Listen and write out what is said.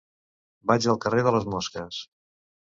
Vaig al carrer de les Mosques.